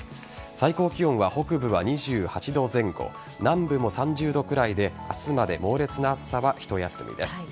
最高気温は北部は２８度前後南部も３０度くらいで明日まで猛烈な暑さはひと休みです。